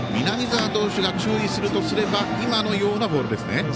南澤投手が注意するとすれば今のようなボールですね。